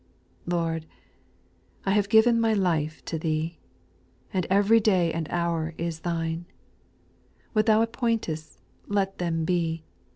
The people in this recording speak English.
) 5. Lord, I have given my life to Thee, And every day and hour is Thine, What Thou appointest, let them be.